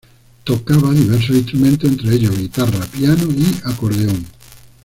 Tocaba diversos instrumentos, entre ellos guitarra, piano y acordeón.